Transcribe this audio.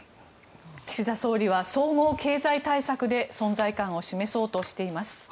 岸田総理は総合経済対策で存在感を示そうとしています。